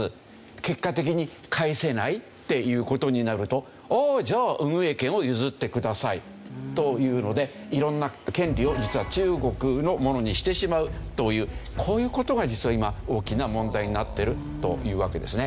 結果的に返せないっていう事になると「ああじゃあ運営権を譲ってください」というので色んな権利を実は中国のものにしてしまうというこういう事が実は今大きな問題になってるというわけですね。